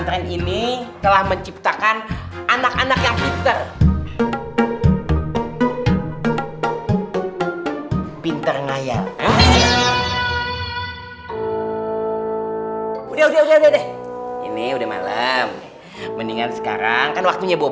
kalau nggak di dapur kalau nggak di kamar ustaz nuro